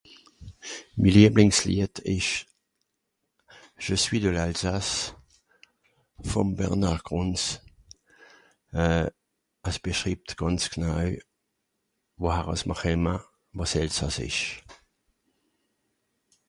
"Mi lieblings Lied ìsch ""Je suis de l'Alsace"", vùm Bernard Gruntz. Es beschribbt gànz gnoei, wohar àss m'r (...), wàs s'Elsàss ìsch."